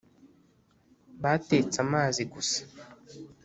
batetse amazi gusa